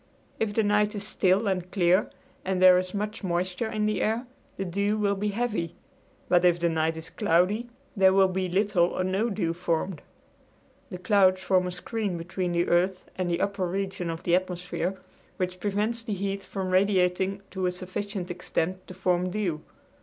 If the night is still and clear and there is much moisture in the air, the dew will be heavy, but if the night is cloudy there will be little or no dew formed. The clouds form a screen between the earth and the upper regions of the atmosphere, which prevents the heat from radiating to a sufficient extent to form dew.